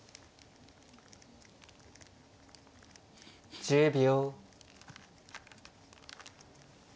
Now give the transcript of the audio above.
１０秒。